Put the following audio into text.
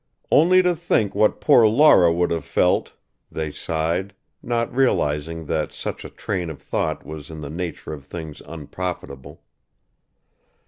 "Only to think what poor Laura would have felt!" they sighed, not realising that such a train of thought was in the nature of things unprofitable.